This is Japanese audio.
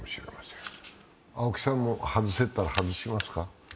青木さんも外せと言ったら外しますか？